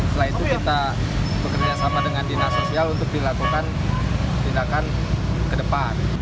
setelah itu kita bekerja sama dengan dinas sosial untuk dilakukan tindakan ke depan